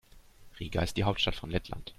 Riga ist die Hauptstadt von Lettland.